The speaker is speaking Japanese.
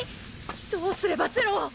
どうすれば是露を。